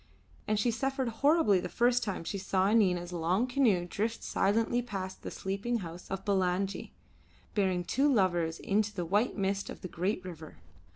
And she suffered horribly the first time she saw Nina's long canoe drift silently past the sleeping house of Bulangi, bearing the two lovers into the white mist of the great river.